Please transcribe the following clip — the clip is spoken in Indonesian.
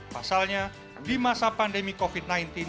pasalnya di masa pandemi covid sembilan belas